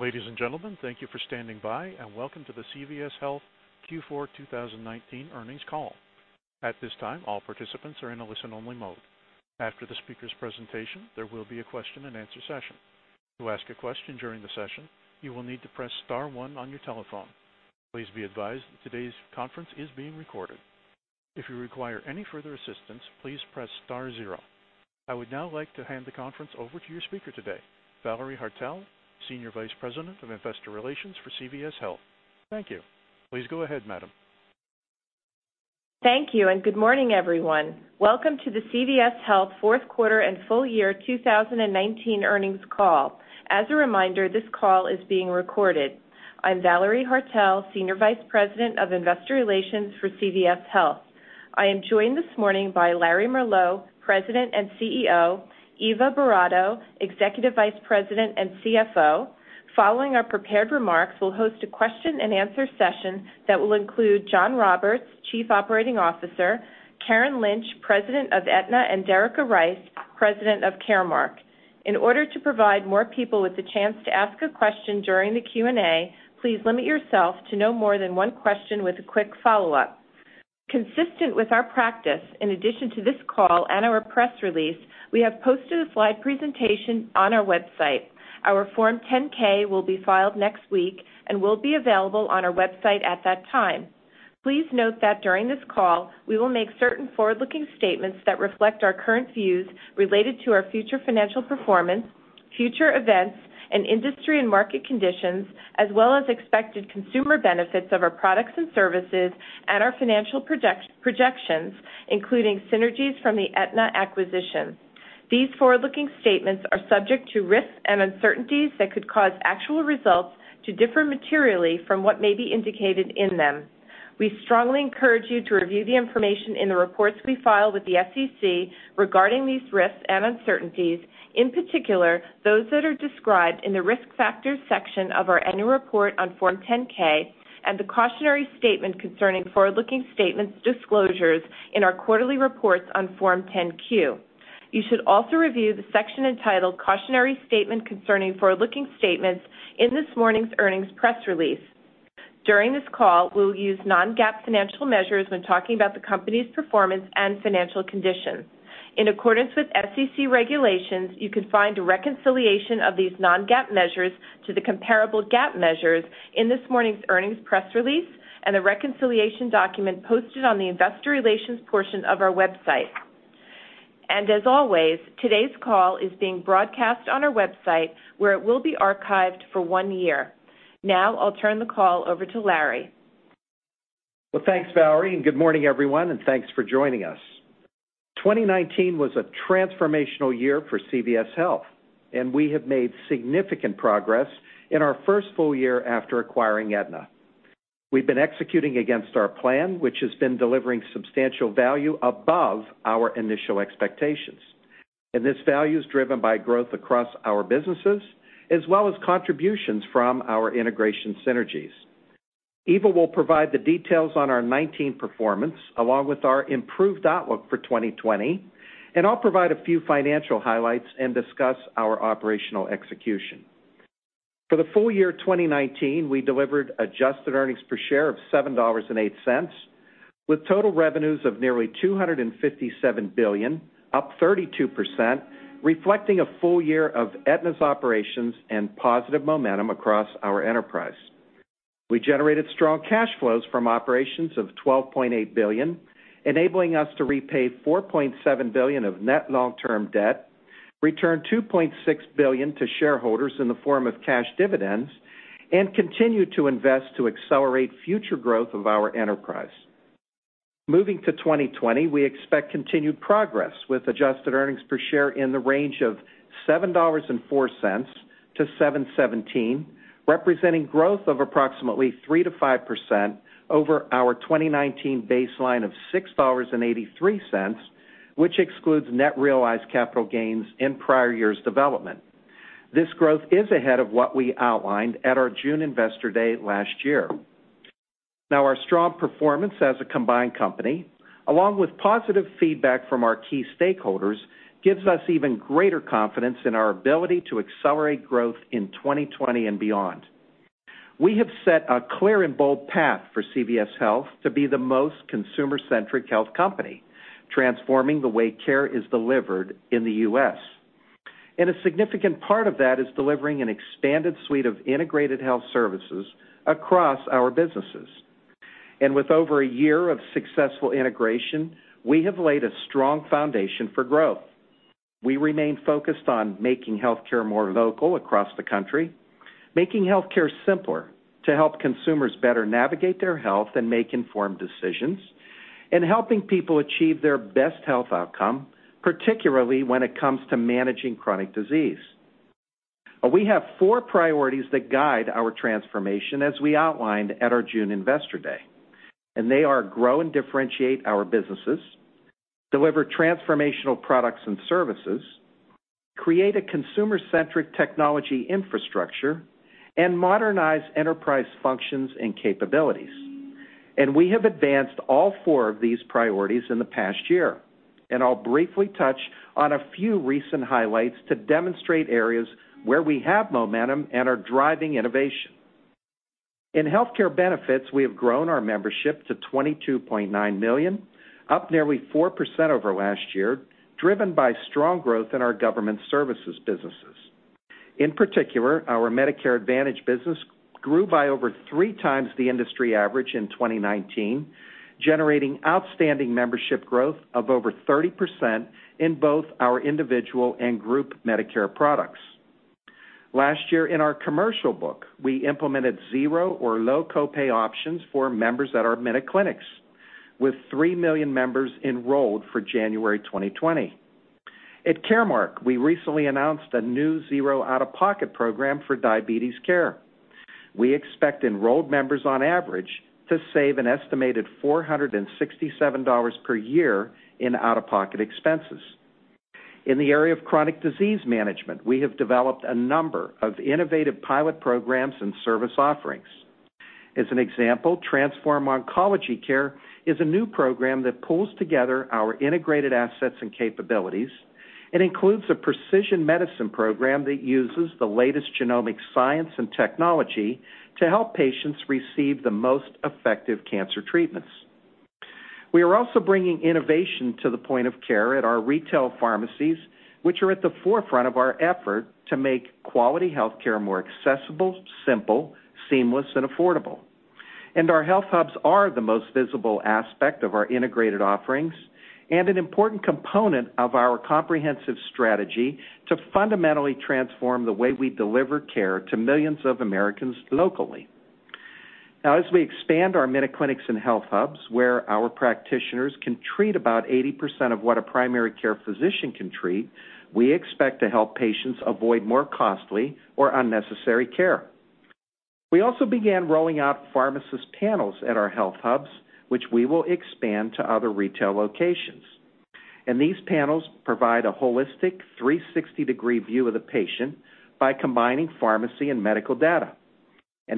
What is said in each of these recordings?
Ladies and gentlemen, thank you for standing by, and welcome to the CVS Health Q4 2019 earnings call. At this time, all participants are in a listen-only mode. After the speaker's presentation, there will be a question-and-answer session. To ask a question during the session, you will need to press star one on your telephone. Please be advised that today's conference is being recorded. If you require any further assistance, please press star zero. I would now like to hand the conference over to your speaker today, Valerie Haertel, Senior Vice President of Investor Relations for CVS Health. Thank you. Please go ahead, madam. Thank you, good morning, everyone. Welcome to the CVS Health Q4 and full year 2019 earnings call. As a reminder, this call is being recorded. I'm Valerie Haertel, Senior Vice President of Investor Relations for CVS Health. I am joined this morning by Larry Merlo, President and CEO, Eva Boratto, Executive Vice President and CFO. Following our prepared remarks, we'll host a question-and-answer session that will include Jon Roberts, Chief Operating Officer, Karen Lynch, President of Aetna, and Derica Rice, President of Caremark. In order to provide more people with the chance to ask a question during the Q&A, please limit yourself to no more than one question with a quick follow-up. Consistent with our practice, in addition to this call and our press release, we have posted a slide presentation on our website. Our Form 10-K will be filed next week and will be available on our website at that time. Please note that during this call, we will make certain forward-looking statements that reflect our current views related to our future financial performance, future events, and industry and market conditions, as well as expected consumer benefits of our products and services and our financial projections, including synergies from the Aetna acquisition. These forward-looking statements are subject to risks and uncertainties that could cause actual results to differ materially from what may be indicated in them. We strongly encourage you to review the information in the reports we file with the SEC regarding these risks and uncertainties. In particular, those that are described in the Risk Factors section of our annual report on Form 10-K and the cautionary statement concerning forward-looking statements disclosures in our quarterly reports on Form 10-Q. You should also review the section entitled Cautionary Statement Concerning Forward-Looking Statements in this morning's earnings press release. During this call, we'll use non-GAAP financial measures when talking about the company's performance and financial condition. In accordance with SEC regulations, you can find a reconciliation of these non-GAAP measures to the comparable GAAP measures in this morning's earnings press release and the reconciliation document posted on the investor relations portion of our website. As always, today's call is being broadcast on our website, where it will be archived for one year. Now, I'll turn the call over to Larry. Well, thanks, Valerie, and good morning, everyone, and thanks for joining us. 2019 was a transformational year for CVS Health, and we have made significant progress in our first full year after acquiring Aetna. We've been executing against our plan, which has been delivering substantial value above our initial expectations, and this value is driven by growth across our businesses as well as contributions from our integration synergies. Eva will provide the details on our 2019 performance, along with our improved outlook for 2020, and I'll provide a few financial highlights and discuss our operational execution. For the full year 2019, we delivered adjusted earnings per share of $7.08, with total revenues of nearly $257 billion, up 32%, reflecting a full year of Aetna's operations and positive momentum across our enterprise. We generated strong cash flows from operations of $12.8 billion, enabling us to repay $4.7 billion of net long-term debt, return $2.6 billion to shareholders in the form of cash dividends, and continue to invest to accelerate future growth of our enterprise. Moving to 2020, we expect continued progress with adjusted earnings per share in the range of $7.04-$7.17, representing growth of approximately 3%-5% over our 2019 baseline of $6.83, which excludes net realized capital gains in prior years' development. This growth is ahead of what we outlined at our June investor day last year. Now, our strong performance as a combined company, along with positive feedback from our key stakeholders, gives us even greater confidence in our ability to accelerate growth in 2020 and beyond. We have set a clear and bold path for CVS Health to be the most consumer-centric health company, transforming the way care is delivered in the U.S. A significant part of that is delivering an expanded suite of integrated health services across our businesses. With over a year of successful integration, we have laid a strong foundation for growth. We remain focused on making healthcare more local across the country, making healthcare simpler to help consumers better navigate their health and make informed decisions, and helping people achieve their best health outcome, particularly when it comes to managing chronic disease. We have four priorities that guide our transformation as we outlined at our June Investor Day, they are grow and differentiate our businesses, deliver transformational products and services, create a consumer-centric technology infrastructure, and modernize enterprise functions and capabilities. We have advanced all four of these priorities in the past year. I'll briefly touch on a few recent highlights to demonstrate areas where we have momentum and are driving innovation. In healthcare benefits, we have grown our membership to 22.9 million, up nearly 4% over last year, driven by strong growth in our government services businesses. In particular, our Medicare Advantage business grew by over three times the industry average in 2019, generating outstanding membership growth of over 30% in both our individual and group Medicare products. Last year in our commercial book, we implemented zero or low copay options for members at our MinuteClinics, with three million members enrolled for January 2020. At Caremark, we recently announced a new zero out-of-pocket program for diabetes care. We expect enrolled members on average to save an estimated $467 per year in out-of-pocket expenses. In the area of chronic disease management, we have developed a number of innovative pilot programs and service offerings. As an example, Transform Oncology Care is a new program that pulls together our integrated assets and capabilities and includes a precision medicine program that uses the latest genomic science and technology to help patients receive the most effective cancer treatments. We are also bringing innovation to the point of care at our retail pharmacies, which are at the forefront of our effort to make quality healthcare more accessible, simple, seamless, and affordable. Our HealthHUBs are the most visible aspect of our integrated offerings and an important component of our comprehensive strategy to fundamentally transform the way we deliver care to millions of Americans locally. Now, as we expand our MinuteClinics and HealthHUBs, where our practitioners can treat about 80% of what a primary care physician can treat, we expect to help patients avoid more costly or unnecessary care. We also began rolling out pharmacist panels at our HealthHUBs, which we will expand to other retail locations. These panels provide a holistic 360-degree view of the patient by combining pharmacy and medical data.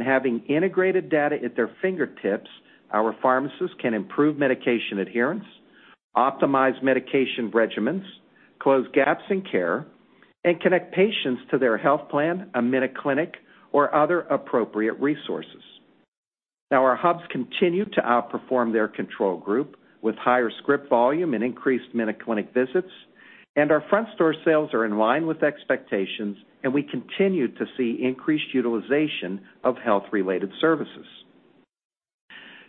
Having integrated data at their fingertips, our pharmacists can improve medication adherence, optimize medication regimens, close gaps in care, and connect patients to their health plan, a MinuteClinic, or other appropriate resources. Our HealthHUBs continue to outperform their control group with higher script volume and increased MinuteClinic visits. Our front store sales are in line with expectations. We continue to see increased utilization of health-related services.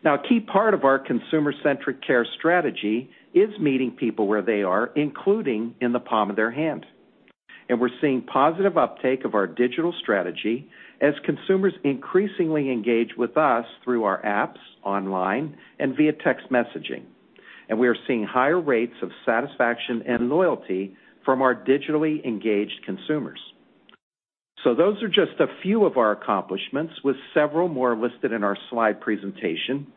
A key part of our consumer-centric care strategy is meeting people where they are, including in the palm of their hand. We're seeing positive uptake of our digital strategy as consumers increasingly engage with us through our apps, online, and via text messaging. We are seeing higher rates of satisfaction and loyalty from our digitally engaged consumers. Those are just a few of our accomplishments, with several more listed in our slide presentation,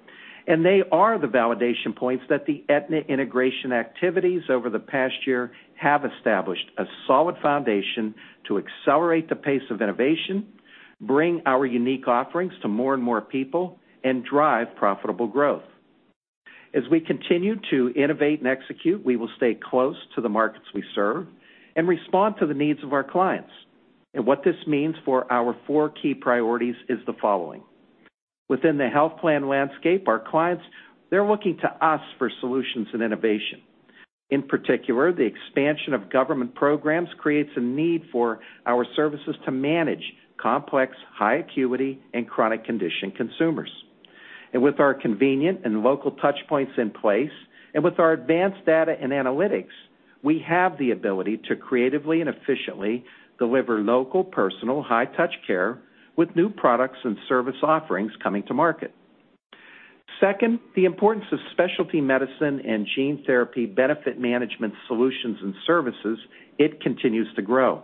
and they are the validation points that the Aetna integration activities over the past year have established a solid foundation to accelerate the pace of innovation, bring our unique offerings to more and more people, and drive profitable growth. As we continue to innovate and execute, we will stay close to the markets we serve and respond to the needs of our clients. What this means for our four key priorities is the following. Within the health plan landscape, our clients, they are looking to us for solutions and innovation. In particular, the expansion of government programs creates a need for our services to manage complex, high acuity, and chronic condition consumers. With our convenient and local touchpoints in place, with our advanced data and analytics, we have the ability to creatively and efficiently deliver local, personal, high touch care with new products and service offerings coming to market. Second, the importance of specialty medicine and gene therapy benefit management solutions and services, it continues to grow.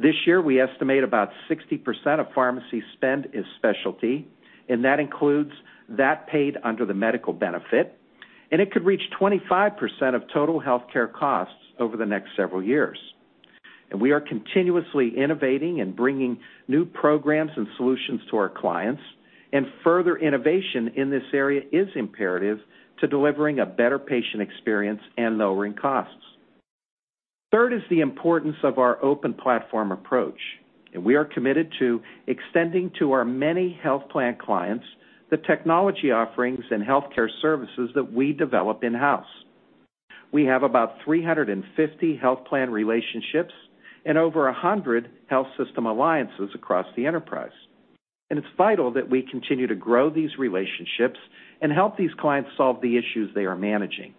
This year, we estimate about 60% of pharmacy spend is specialty, and that includes that paid under the medical benefit, and it could reach 25% of total healthcare costs over the next several years. We are continuously innovating and bringing new programs and solutions to our clients, and further innovation in this area is imperative to delivering a better patient experience and lowering costs. Third is the importance of our open platform approach. We are committed to extending to our many health plan clients the technology offerings and healthcare services that we develop in-house. We have about 350 health plan relationships and over 100 health system alliances across the enterprise. It's vital that we continue to grow these relationships and help these clients solve the issues they are managing.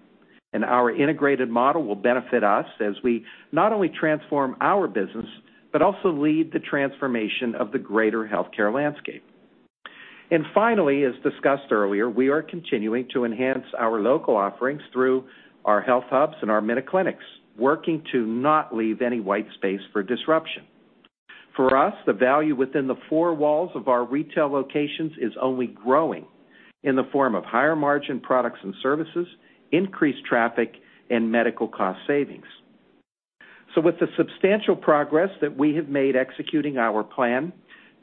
Our integrated model will benefit us as we not only transform our business, but also lead the transformation of the greater healthcare landscape. Finally, as discussed earlier, we are continuing to enhance our local offerings through our HealthHUBs and our MinuteClinics, working to not leave any white space for disruption. For us, the value within the four walls of our retail locations is only growing in the form of higher margin products and services, increased traffic, and medical cost savings. With the substantial progress that we have made executing our plan,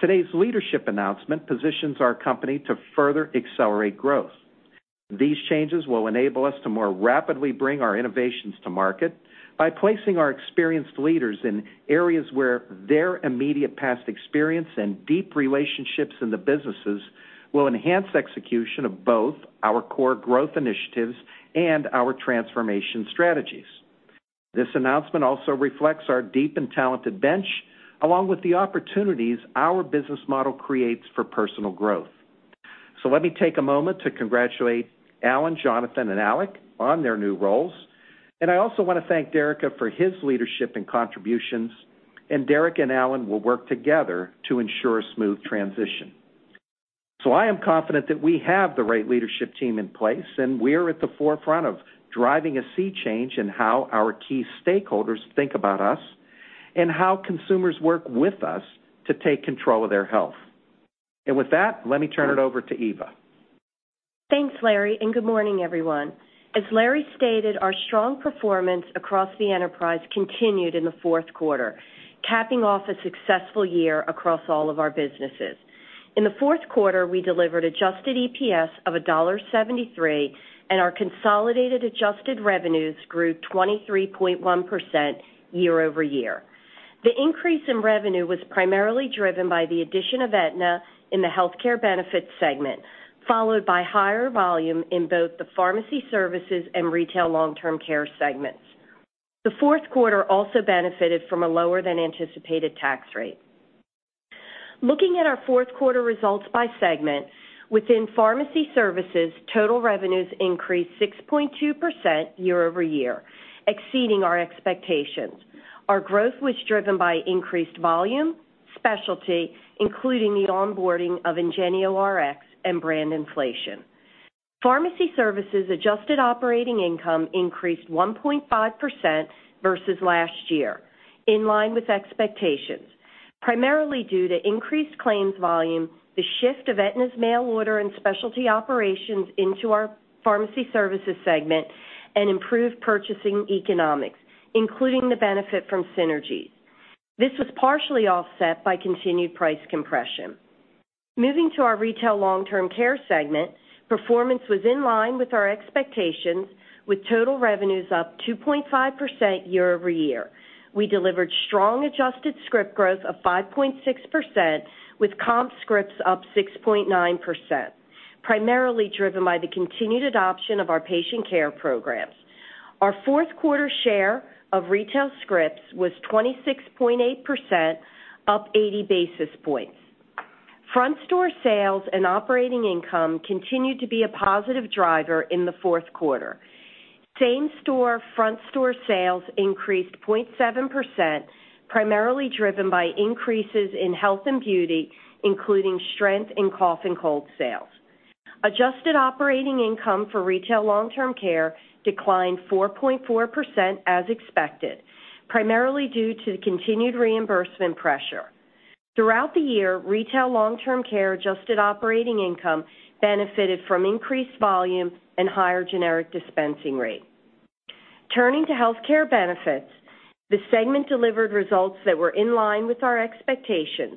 today's leadership announcement positions our company to further accelerate growth. These changes will enable us to more rapidly bring our innovations to market by placing our experienced leaders in areas where their immediate past experience and deep relationships in the businesses will enhance execution of both our core growth initiatives and our transformation strategies. This announcement also reflects our deep and talented bench, along with the opportunities our business model creates for personal growth. Let me take a moment to congratulate Alan, Jonathan, and Alec on their new roles, and I also want to thank Derica for his leadership and contributions. Derica and Alan will work together to ensure a smooth transition. I am confident that we have the right leadership team in place, and we're at the forefront of driving a sea change in how our key stakeholders think about us and how consumers work with us to take control of their health. With that, let me turn it over to Eva. Thanks, Larry. Good morning, everyone. As Larry stated, our strong performance across the enterprise continued in the Q4, capping off a successful year across all of our businesses. In the Q4, we delivered adjusted EPS of $1.73, and our consolidated adjusted revenues grew 23.1% year-over-year. The increase in revenue was primarily driven by the addition of Aetna in the healthcare benefits segment, followed by higher volume in both the Pharmacy Services and Retail Long-Term Care segments. The Q4 also benefited from a lower than anticipated tax rate. Looking at our Q4 results by segment, within Pharmacy Services, total revenues increased 6.2% year-over-year, exceeding our expectations. Our growth was driven by increased volume, specialty, including the onboarding of IngenioRx and brand inflation. Pharmacy Services adjusted operating income increased 1.5% versus last year, in line with expectations, primarily due to increased claims volume, the shift of Aetna's mail order and specialty operations into our Pharmacy Services segment, and improved purchasing economics, including the benefit from synergies. This was partially offset by continued price compression. Moving to our Retail Long-Term Care segment, performance was in line with our expectations with total revenues up 2.5% year-over-year. We delivered strong adjusted script growth of 5.6% with comp scripts up 6.9%, primarily driven by the continued adoption of our patient care programs. Our Q4 share of retail scripts was 26.8%, up 80 basis points. Front store sales and operating income continued to be a positive driver in the Q4. Same store front store sales increased 0.7%, primarily driven by increases in health and beauty, including strength in cough and cold sales. Adjusted operating income for Retail Long-Term Care declined 4.4% as expected, primarily due to the continued reimbursement pressure. Throughout the year, Retail Long-Term Care adjusted operating income benefited from increased volume and higher generic dispensing rate. Turning to healthcare benefits, the segment delivered results that were in line with our expectations.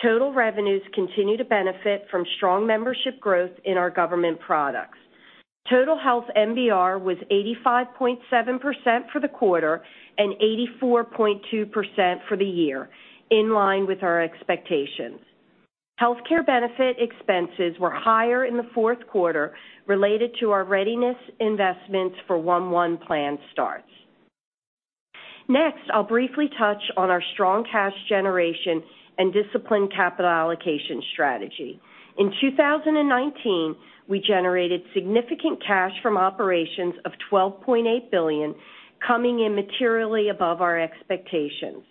Total revenues continue to benefit from strong membership growth in our government products. Total health MBR was 85.7% for the quarter and 84.2% for the year, in line with our expectations. Healthcare benefit expenses were higher in the Q4 related to our readiness investments for 1/1 plan starts. Next, I'll briefly touch on our strong cash generation and disciplined capital allocation strategy. In 2019, we generated significant cash from operations of $12.8 billion, coming in materially above our expectations.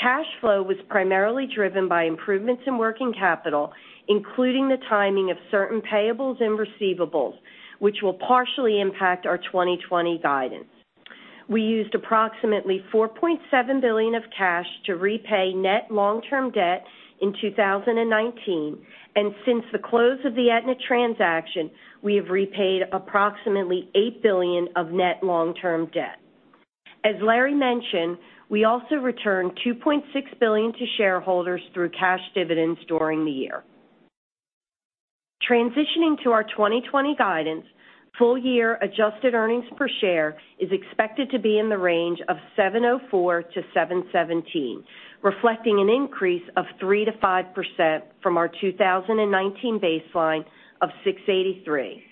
Cash flow was primarily driven by improvements in working capital, including the timing of certain payables and receivables, which will partially impact our 2020 guidance. We used approximately $4.7 billion of cash to repay net long-term debt in 2019, and since the close of the Aetna transaction, we have repaid approximately $8 billion of net long-term debt. As Larry mentioned, we also returned $2.6 billion to shareholders through cash dividends during the year. Transitioning to our 2020 guidance, full year adjusted earnings per share is expected to be in the range of $7.04-$7.17, reflecting an increase of 3%-5% from our 2019 baseline of $6.83.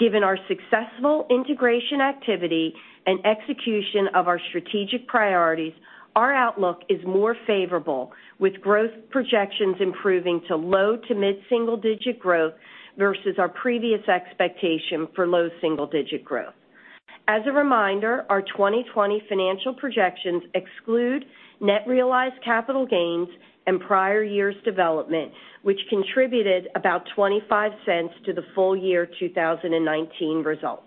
Given our successful integration activity and execution of our strategic priorities, our outlook is more favorable with growth projections improving to low to mid single digit growth versus our previous expectation for low single digit growth. As a reminder, our 2020 financial projections exclude net realized capital gains and prior year's development, which contributed about $0.25 to the full year 2019 results.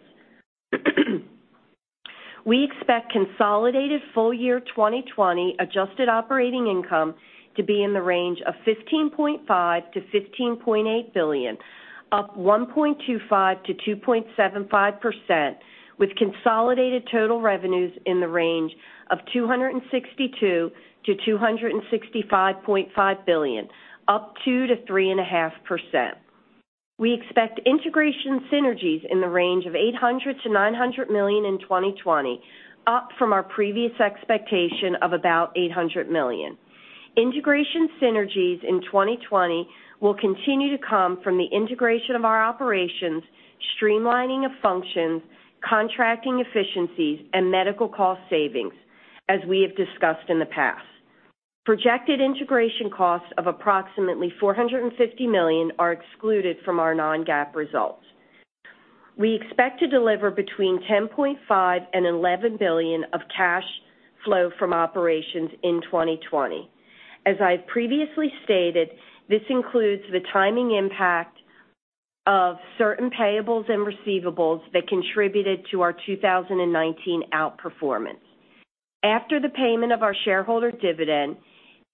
We expect consolidated full year 2020 adjusted operating income to be in the range of $15.5 billion to $15.8 billion, up 1.25% to 2.75%, with consolidated total revenues in the range of $262 billion to $265.5 billion, up 2% to 3.5%. We expect integration synergies in the range of $800 million to $900 million in 2020, up from our previous expectation of about $800 million. Integration synergies in 2020 will continue to come from the integration of our operations, streamlining of functions, contracting efficiencies, and medical cost savings, as we have discussed in the past. Projected integration costs of approximately $450 million are excluded from our non-GAAP results. We expect to deliver between $10.5 billion and $11 billion of cash flow from operations in 2020. As I've previously stated, this includes the timing impact of certain payables and receivables that contributed to our 2019 outperformance. After the payment of our shareholder dividend,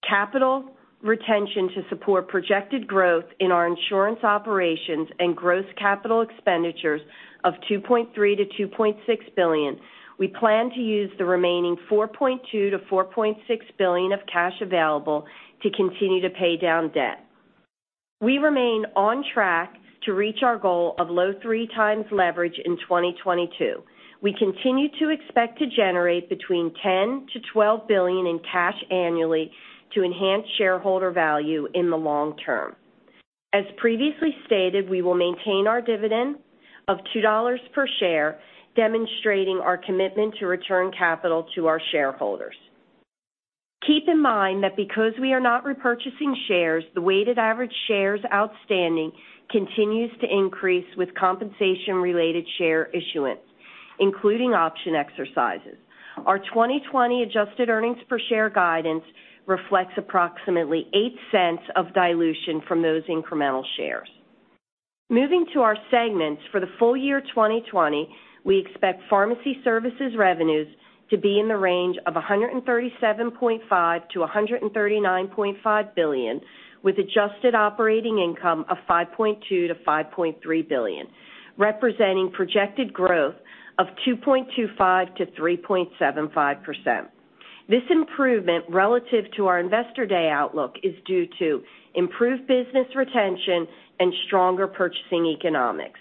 capital retention to support projected growth in our insurance operations and gross capital expenditures of $2.3 billion-$2.6 billion, we plan to use the remaining $4.2 billion-$4.6 billion of cash available to continue to pay down debt. We remain on track to reach our goal of low 3x leverage in 2022. We continue to expect to generate between $10 billion-$12 billion in cash annually to enhance shareholder value in the long term. As previously stated, we will maintain our dividend of $2 per share, demonstrating our commitment to return capital to our shareholders. Keep in mind that because we are not repurchasing shares, the weighted average shares outstanding continues to increase with compensation-related share issuance, including option exercises. Our 2020 adjusted earnings per share guidance reflects approximately $0.08 of dilution from those incremental shares. Moving to our segments for the full year 2020, we expect Pharmacy Services revenues to be in the range of $137.5 billion-$139.5 billion, with adjusted operating income of $5.2 billion-$5.3 billion, representing projected growth of 2.25%-3.75%. This improvement relative to our investor day outlook is due to improved business retention and stronger purchasing economics.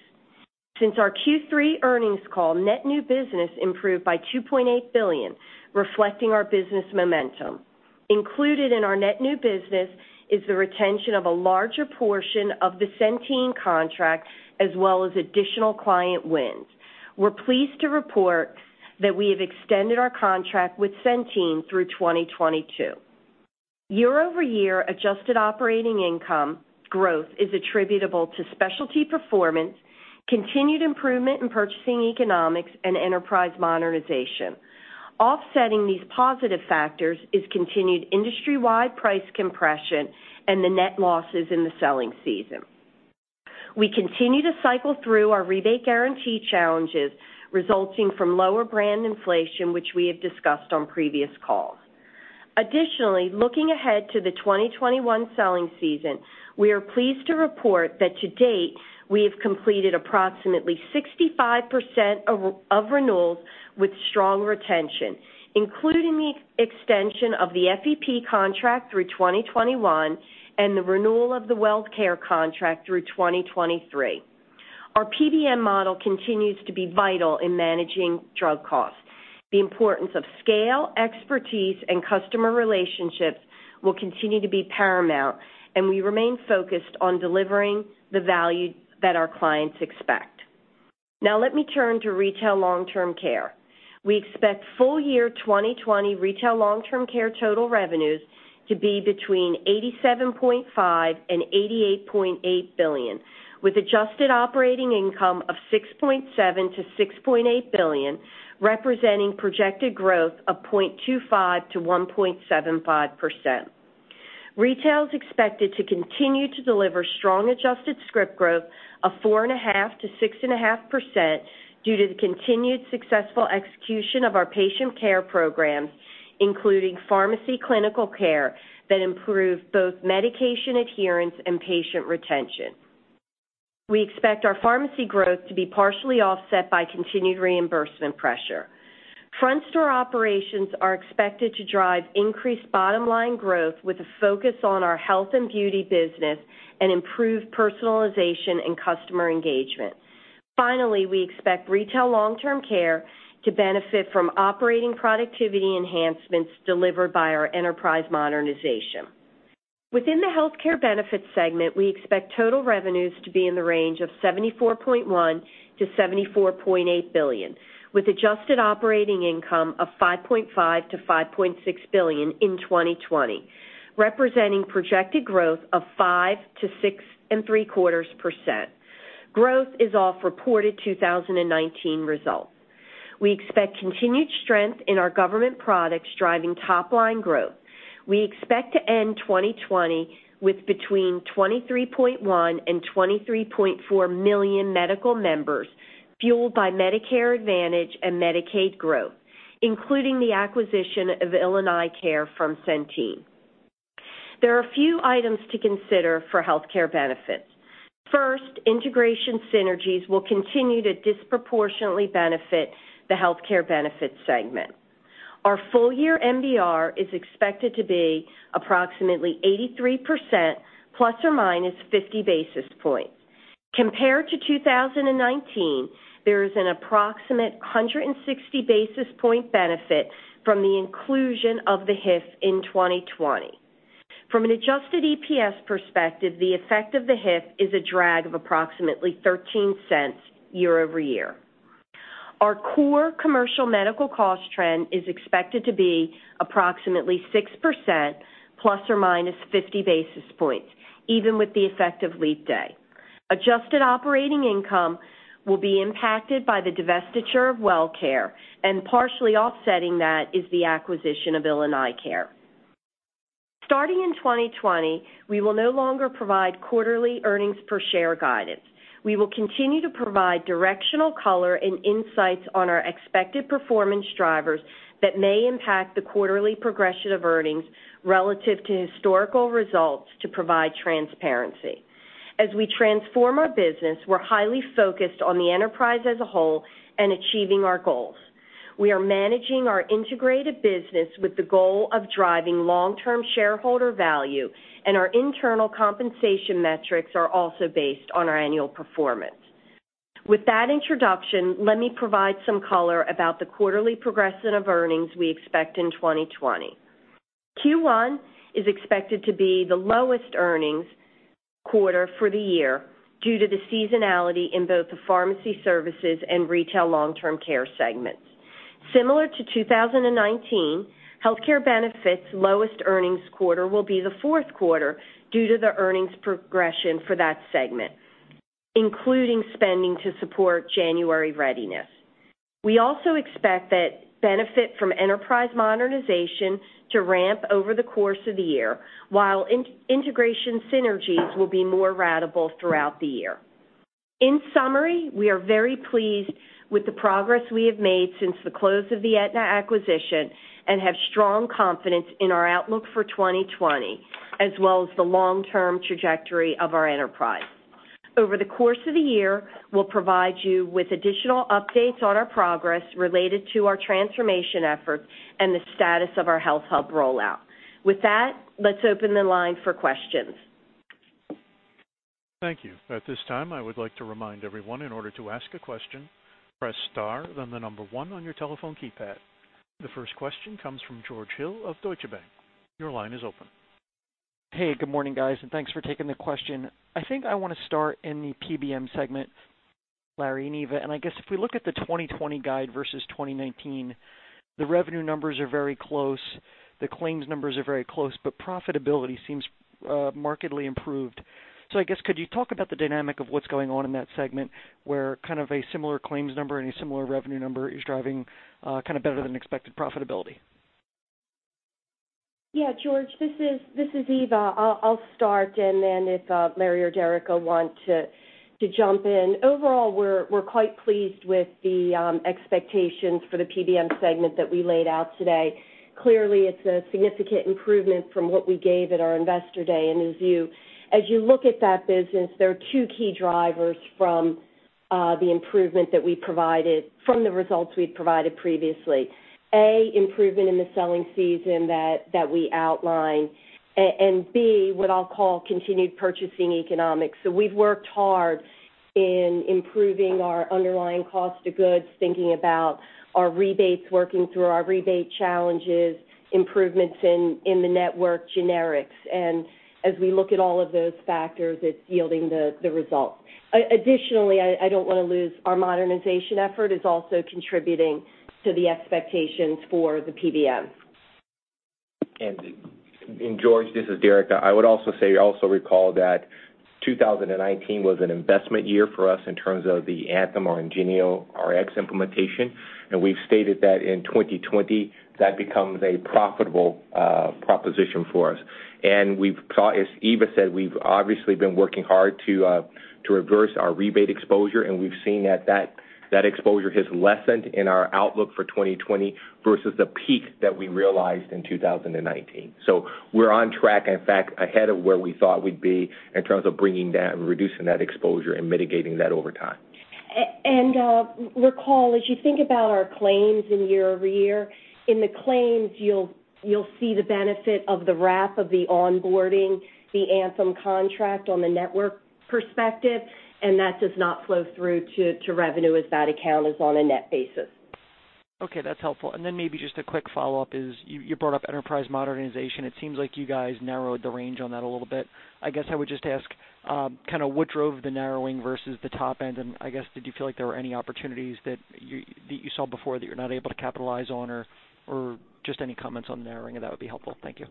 Since our Q3 earnings call, net new business improved by $2.8 billion, reflecting our business momentum. Included in our net new business is the retention of a larger portion of the Centene contract, as well as additional client wins. We're pleased to report that we have extended our contract with Centene through 2022. Year-over-year adjusted operating income growth is attributable to specialty performance, continued improvement in purchasing economics, and enterprise modernization. Offsetting these positive factors is continued industry-wide price compression and the net losses in the selling season. We continue to cycle through our rebate guarantee challenges resulting from lower brand inflation, which we have discussed on previous calls. Additionally, looking ahead to the 2021 selling season, we are pleased to report that to date, we have completed approximately 65% of renewals with strong retention, including the extension of the FEP contract through 2021 and the renewal of the WellCare contract through 2023. Our PBM model continues to be vital in managing drug costs. The importance of scale, expertise, and customer relationships will continue to be paramount, and we remain focused on delivering the value that our clients expect. Now let me turn to Retail Long-Term Care. We expect full-year 2020 Retail Long-Term Care total revenues to be between $87.5 billion and $88.8 billion, with adjusted operating income of $6.7 billion to $6.8 billion, representing projected growth of 0.25% to 1.75%. Retail is expected to continue to deliver strong adjusted script growth of 4.5% to 6.5% due to the continued successful execution of our patient care programs, including pharmacy clinical care that improve both medication adherence and patient retention. We expect our pharmacy growth to be partially offset by continued reimbursement pressure. Front store operations are expected to drive increased bottom-line growth with a focus on our health and beauty business and improve personalization and customer engagement. Finally, we expect Retail Long-Term Care to benefit from operating productivity enhancements delivered by our enterprise modernization. Within the Healthcare Benefits segment, we expect total revenues to be in the range of $74.1 billion-$74.8 billion, with adjusted operating income of $5.5 billion-$5.6 billion in 2020, representing projected growth of 5%-6.75%. Growth is off reported 2019 results. We expect continued strength in our government products driving top-line growth. We expect to end 2020 with between 23.1 million and 23.4 million medical members fueled by Medicare Advantage and Medicaid growth, including the acquisition of IlliniCare Health from Centene. There are a few items to consider for Healthcare Benefits. First, integration synergies will continue to disproportionately benefit the Healthcare Benefits segment. Our full-year MBR is expected to be approximately 83%, ±50 basis points. Compared to 2019, there is an approximate 160 basis point benefit from the inclusion of the HIF in 2020. From an adjusted EPS perspective, the effect of the HIF is a drag of approximately $0.13 year-over-year. Our core commercial medical cost trend is expected to be approximately 6%, ±50 basis points, even with the effect of leap day. Adjusted operating income will be impacted by the divestiture of WellCare, and partially offsetting that is the acquisition of IlliniCare Health. Starting in 2020, we will no longer provide quarterly earnings per share guidance. We will continue to provide directional color and insights on our expected performance drivers that may impact the quarterly progression of earnings relative to historical results to provide transparency. As we transform our business, we're highly focused on the enterprise as a whole and achieving our goals. We are managing our integrated business with the goal of driving long-term shareholder value, and our internal compensation metrics are also based on our annual performance. With that introduction, let me provide some color about the quarterly progression of earnings we expect in 2020. Q1 is expected to be the lowest earnings quarter for the year due to the seasonality in both the Pharmacy Services and Retail/LTC segments. Similar to 2019, healthcare benefits' lowest earnings quarter will be the Q4 due to the earnings progression for that segment, including spending to support January readiness. We also expect that benefit from enterprise modernization to ramp over the course of the year, while integration synergies will be more ratable throughout the year. In summary, we are very pleased with the progress we have made since the close of the Aetna acquisition and have strong confidence in our outlook for 2020, as well as the long-term trajectory of our enterprise. Over the course of the year, we'll provide you with additional updates on our progress related to our transformation efforts and the status of our HealthHUB rollout. With that, let's open the line for questions. Thank you. At this time, I would like to remind everyone, in order to ask a question, press star, then the number one on your telephone keypad. The first question comes from George Hill of Deutsche Bank. Your line is open. Good morning, guys, and thanks for taking the question. I think I want to start in the PBM segment, Larry and Eva. I guess if we look at the 2020 guide versus 2019, the revenue numbers are very close, the claims numbers are very close, but profitability seems markedly improved. I guess could you talk about the dynamic of what's going on in that segment where kind of a similar claims number and a similar revenue number is driving better than expected profitability? Yeah, George, this is Eva. I'll start, and then if Larry or Derica want to jump in. Overall, we're quite pleased with the expectations for the PBM segment that we laid out today. Clearly, it's a significant improvement from what we gave at our investor day. As you look at that business, there are two key drivers from the results we provided previously. A, improvement in the selling season that we outlined, B, what I'll call continued purchasing economics. We've worked hard in improving our underlying cost of goods, thinking about our rebates, working through our rebate challenges, improvements in the network generics. As we look at all of those factors, it's yielding the results. Additionally, I don't want to lose our modernization effort is also contributing to the expectations for the PBM. George, this is Derica. I would also say, also recall that 2019 was an investment year for us in terms of the Anthem or IngenioRx implementation. We've stated that in 2020, that becomes a profitable proposition for us. As Eva said, we've obviously been working hard to reverse our rebate exposure, and we've seen that exposure has lessened in our outlook for 2020 versus the peak that we realized in 2019. We're on track, in fact, ahead of where we thought we'd be in terms of bringing down, reducing that exposure and mitigating that over time. Recall, as you think about our claims in year-over-year, in the claims you'll see the benefit of the wrap of the onboarding the Anthem contract on the network perspective, and that does not flow through to revenue as that account is on a net basis. Okay, that's helpful. Maybe just a quick follow-up is you brought up enterprise modernization. It seems like you guys narrowed the range on that a little bit. I guess I would just ask what drove the narrowing versus the top end. I guess, did you feel like there were any opportunities that you saw before that you're not able to capitalize on, or just any comments on narrowing of that would be helpful. Thank you.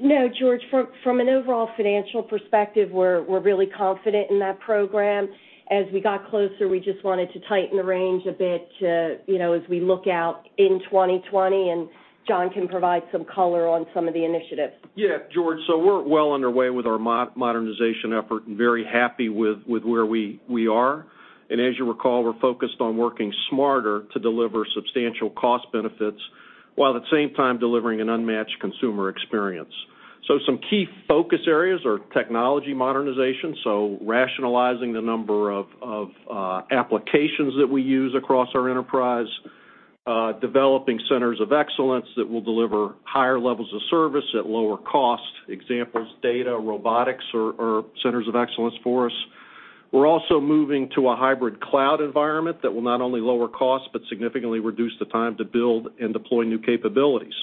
No, George, from an overall financial perspective, we're really confident in that program. As we got closer, we just wanted to tighten the range a bit as we look out in 2020, and Jon can provide some color on some of the initiatives. Yeah, George. We're well underway with our modernization effort and very happy with where we are. As you recall, we're focused on working smarter to deliver substantial cost benefits, while at the same time delivering an unmatched consumer experience. Some key focus areas are technology modernization, so rationalizing the number of applications that we use across our enterprise, developing centers of excellence that will deliver higher levels of service at lower cost. Examples, data, robotics are centers of excellence for us. We're also moving to a hybrid cloud environment that will not only lower cost, but significantly reduce the time to build and deploy new capabilities.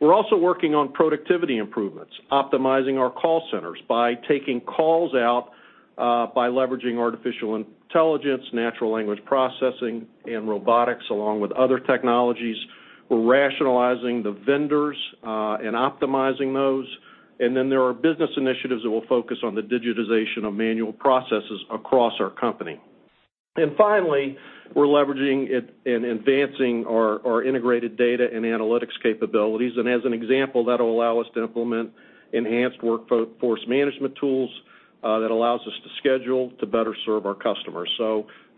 We're also working on productivity improvements, optimizing our call centers by taking calls out, by leveraging artificial intelligence, natural language processing, and robotics, along with other technologies. We're rationalizing the vendors and optimizing those. Then there are business initiatives that will focus on the digitization of manual processes across our company. Finally, we're leveraging it in advancing our integrated data and analytics capabilities. As an example, that'll allow us to implement enhanced workforce management tools that allows us to schedule to better serve our customers.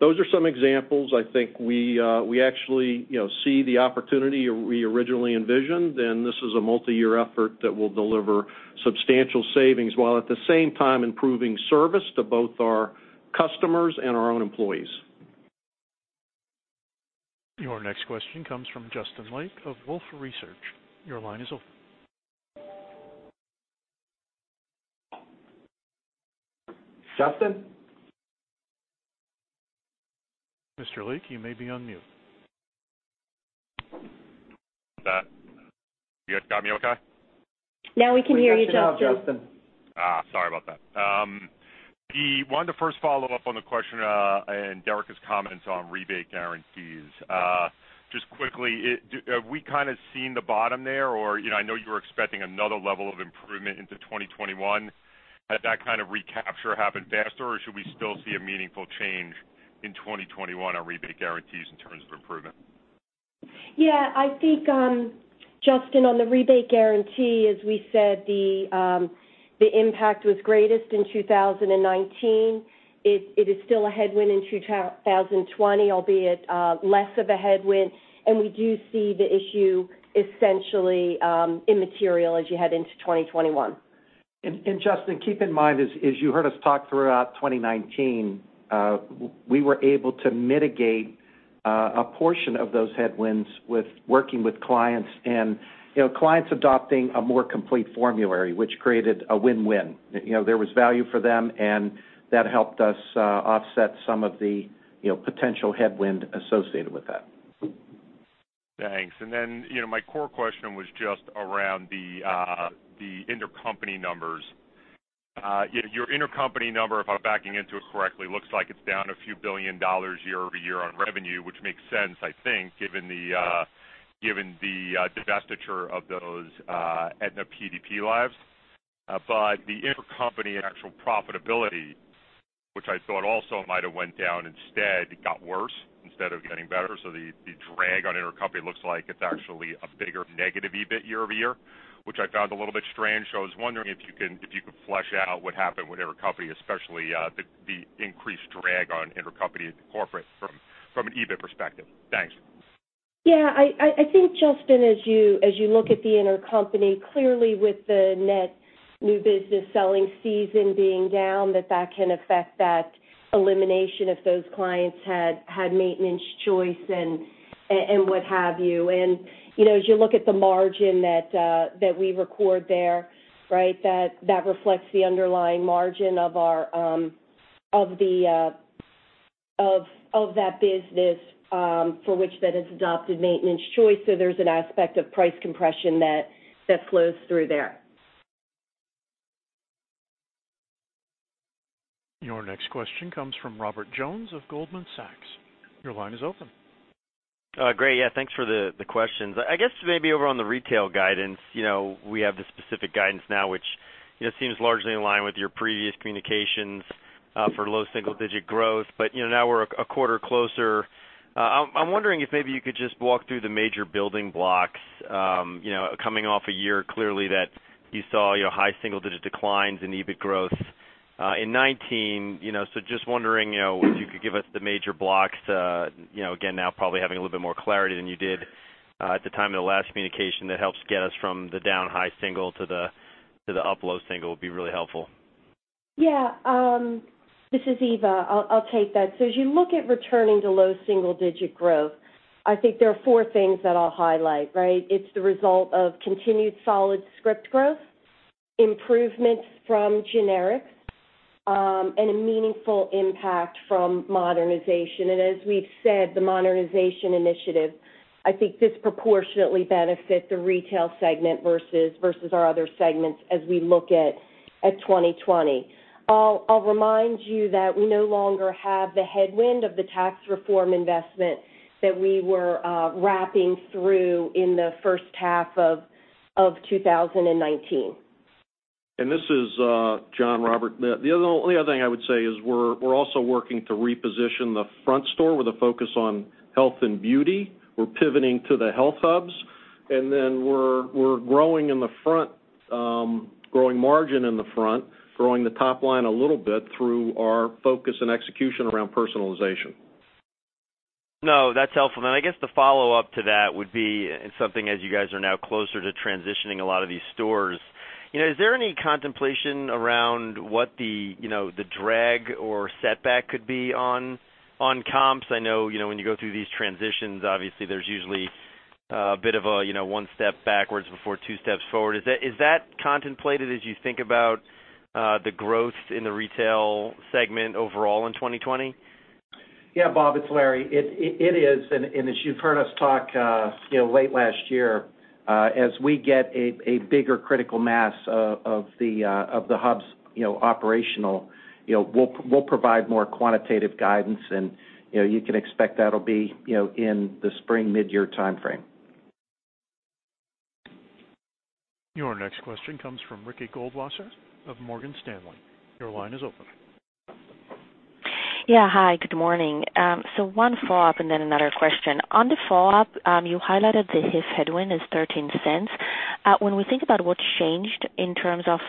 Those are some examples. I think we actually see the opportunity we originally envisioned, and this is a multi-year effort that will deliver substantial savings, while at the same time improving service to both our customers and our own employees. Your next question comes from Justin Lake of Wolfe Research. Your line is open. Justin? Mr. Lake, you may be on mute. You guys got me okay? Now we can hear you, Justin. We got you now, Justin. sorry about that. I wanted to first follow up on the question and Derica's comments on rebate guarantees. Just quickly, have we kind of seen the bottom there or I know you were expecting another level of improvement into 2021? Had that kind of recapture happened faster, or should we still see a meaningful change in 2021 on rebate guarantees in terms of improvement? I think, Justin, on the rebate guarantee, as we said, the impact was greatest in 2019. It is still a headwind in 2020, albeit less of a headwind. We do see the issue essentially immaterial as you head into 2021. Justin, keep in mind, as you heard us talk throughout 2019, we were able to mitigate a portion of those headwinds with working with clients and clients adopting a more complete formulary, which created a win-win. There was value for them, and that helped us offset some of the potential headwind associated with that. Thanks. My core question was just around the intercompany numbers. Your intercompany number, if I'm backing into it correctly, looks like it's down a few billion dollars year-over-year on revenue, which makes sense, I think, given the divestiture of those Aetna PDP lives. The intercompany actual profitability, which I thought also might have went down, instead it got worse instead of getting better. The drag on intercompany looks like it's actually a bigger negative EBIT year-over-year, which I found a little bit strange. I was wondering if you could flesh out what happened with intercompany, especially the increased drag on intercompany corporate from an EBIT perspective. Thanks. Yeah. I think, Justin, as you look at the intercompany, clearly with the net new business selling season being down, that that can affect that elimination if those clients had maintenance choice and what have you. As you look at the margin that we record there, that reflects the underlying margin of that business for which that has adopted maintenance choice. There's an aspect of price compression that flows through there. Your next question comes from Robert Jones of Goldman Sachs. Your line is open. Great. Yeah, thanks for the questions. I guess maybe over on the retail guidance, we have the specific guidance now, which seems largely in line with your previous communications for low single-digit growth. Now we're a quarter closer. I'm wondering if maybe you could just walk through the major building blocks, coming off a year clearly that you saw high single-digit declines in EBIT growth in 2019. Just wondering if you could give us the major blocks, again now probably having a little bit more clarity than you did at the time of the last communication, that helps get us from the down high single to the up low single would be really helpful. This is Eva. I'll take that. As you look at returning to low single-digit growth, I think there are four things that I'll highlight. It's the result of continued solid script growth, improvements from generics, and a meaningful impact from modernization. As we've said, the modernization initiative, I think disproportionately benefits the Retail segment versus our other segments as we look at 2020. I'll remind you that we no longer have the headwind of the tax reform investment that we were wrapping through in the first half of 2019. This is Jon Roberts. The only other thing I would say is we're also working to reposition the front store with a focus on health and beauty. We're pivoting to the HealthHUBs. We're growing margin in the front, growing the top line a little bit through our focus and execution around personalization. No, that's helpful. I guess the follow-up to that would be something as you guys are now closer to transitioning a lot of these stores. Is there any contemplation around what the drag or setback could be on comps? I know, when you go through these transitions, obviously, there's usually a bit of a one step backwards before two steps forward. Is that contemplated as you think about the growth in the Retail segment overall in 2020? Yeah, Bob, it's Larry. It is. As you've heard us talk late last year, as we get a bigger critical mass of the HealthHUBs operational, we'll provide more quantitative guidance and you can expect that'll be in the spring mid-year timeframe. Your next question comes from Ricky Goldwasser of Morgan Stanley. Your line is open. Yeah. Hi, good morning. One follow-up, and then another question. On the follow-up, you highlighted the HIF headwind is $0.13. When we think about what's changed in terms of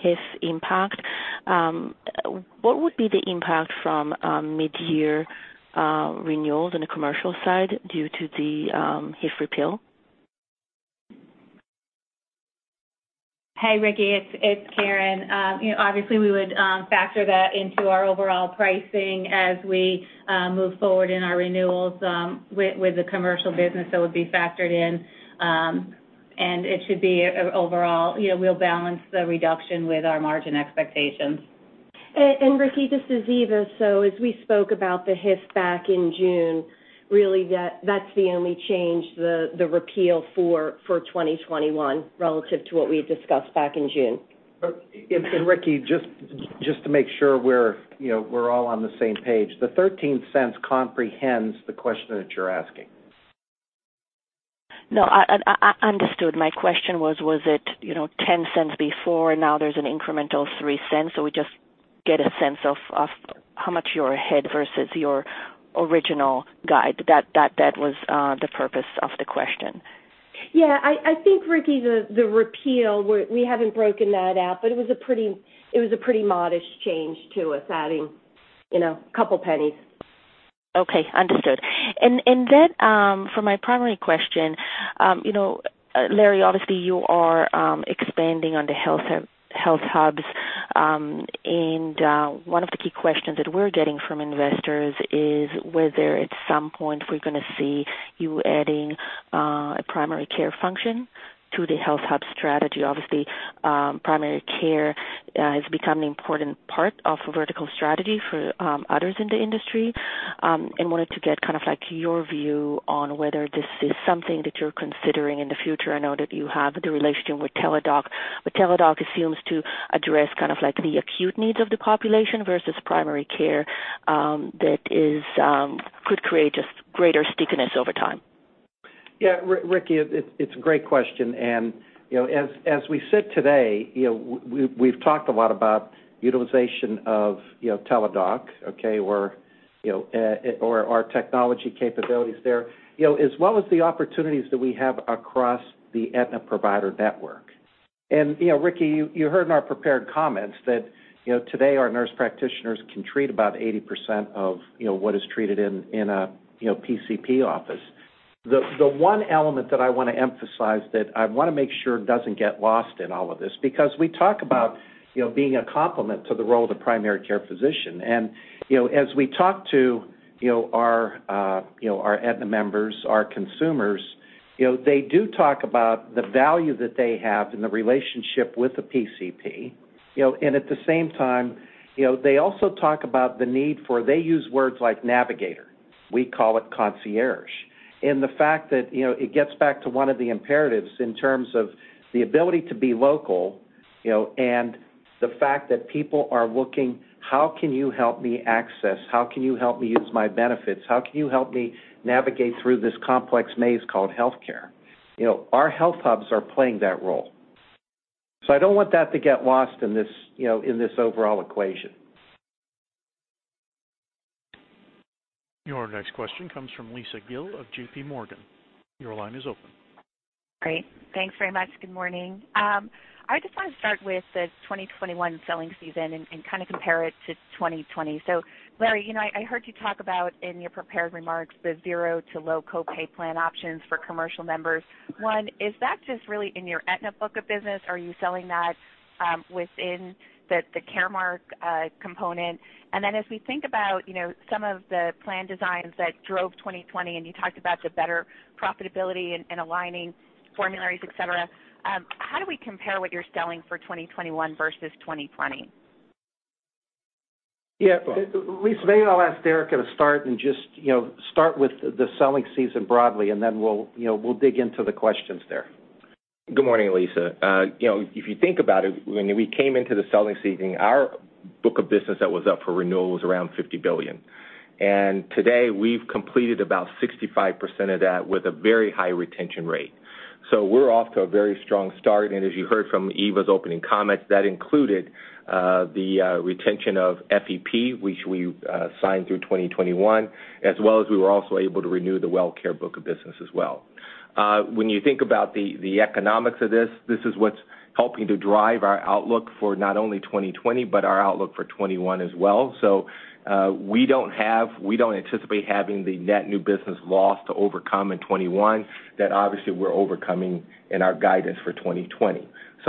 HIF impact, what would be the impact from mid-year renewals in the commercial side due to the HIF repeal? Hey, Ricky, it's Karen. Obviously, we would factor that into our overall pricing as we move forward in our renewals with the commercial business, that would be factored in. It should be overall We'll balance the reduction with our margin expectations. Ricky, this is Eva. As we spoke about the HIF back in June, really that's the only change the repeal for 2021 relative to what we had discussed back in June. Ricky, just to make sure we're all on the same page, the $0.13 comprehends the question that you're asking. No, understood. My question was it $0.10 before, now there's an incremental $0.03? We just get a sense of how much you're ahead versus your original guide. That was the purpose of the question. Yeah. I think, Ricky, the repeal, we haven't broken that out, but it was a pretty modest change to us, adding $0.02. Okay, understood. Then, for my primary question, Larry, obviously, you are expanding on the HealthHUBs. One of the key questions that we're getting from investors is whether at some point we're going to see you adding a primary care function to the HealthHUB strategy. Obviously, primary care has become an important part of vertical strategy for others in the industry. Wanted to get your view on whether this is something that you're considering in the future. I know that you have the relationship with Teladoc, but Teladoc seems to address the acute needs of the population versus primary care that could create just greater stickiness over time. Yeah. Ricky, it's a great question, as we sit today, we've talked a lot about utilization of Teladoc, okay, or our technology capabilities there, as well as the opportunities that we have across the Aetna provider network. Ricky, you heard in our prepared comments that today our nurse practitioners can treat about 80% of what is treated in a PCP office. The one element that I want to emphasize that I want to make sure doesn't get lost in all of this, because we talk about being a complement to the role of the primary care physician. As we talk to our Aetna members, our consumers, they do talk about the value that they have and the relationship with the PCP. At the same time, they also talk about the need for, they use words like navigator. We call it concierge. The fact that it gets back to one of the imperatives in terms of the ability to be local and the fact that people are looking, how can you help me access, how can you help me use my benefits? How can you help me navigate through this complex maze called healthcare? Our HealthHUBs are playing that role. I don't want that to get lost in this overall equation. Your next question comes from Lisa Gill of JPMorgan. Your line is open. Great. Thanks very much. Good morning. I just want to start with the 2021 selling season and compare it to 2020. Larry, I heard you talk about, in your prepared remarks, the zero to low co-pay plan options for commercial members. One, is that just really in your Aetna book of business, or are you selling that within the Caremark component? As we think about some of the plan designs that drove 2020, and you talked about the better profitability and aligning formularies, et cetera, how do we compare what you're selling for 2021 versus 2020? Yeah. Lisa, maybe I'll ask Derica to start and just start with the selling season broadly, and then we'll dig into the questions there. Good morning, Lisa. If you think about it, when we came into the selling season, our book of business that was up for renewal was around $50 billion. Today, we've completed about 65% of that with a very high retention rate. We're off to a very strong start, and as you heard from Eva's opening comments, that included the retention of FEP, which we signed through 2021, as well as we were also able to renew the WellCare book of business as well. When you think about the economics of this is what's helping to drive our outlook for not only 2020, but our outlook for 2021 as well. We don't anticipate having the net new business loss to overcome in 2021 that obviously we're overcoming in our guidance for 2020.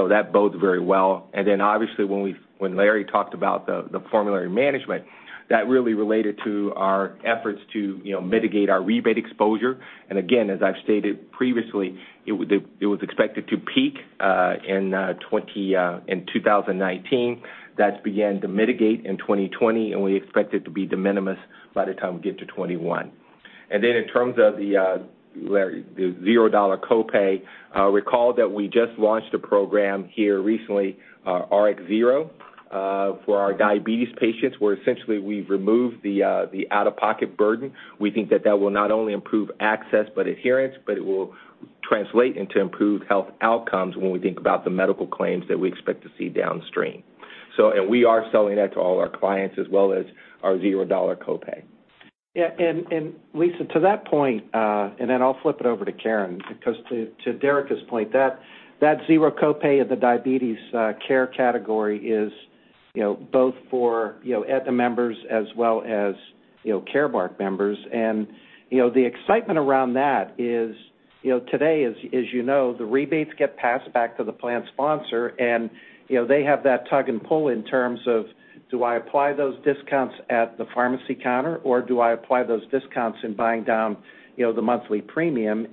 That bodes very well. Then, obviously, when Larry talked about the formulary management, that really related to our efforts to mitigate our rebate exposure. Again, as I've stated previously, it was expected to peak in 2019. That's began to mitigate in 2020, and we expect it to be de minimis by the time we get to 2021. Then in terms of the $0 copay, recall that we just launched a program here recently, RxZERO, for our diabetes patients, where essentially we've removed the out-of-pocket burden. We think that will not only improve access but adherence, but it will translate into improved health outcomes when we think about the medical claims that we expect to see downstream. We are selling that to all our clients as well as our $0 copay. Yeah, Lisa, to that point, then I'll flip it over to Karen, because to Derica's point, that zero copay of the diabetes care category is both for Aetna members as well as Caremark members. The excitement around that is, today, as you know, the rebates get passed back to the plan sponsor, and they have that tug and pull in terms of, do I apply those discounts at the pharmacy counter, or do I apply those discounts in buying down the monthly premium?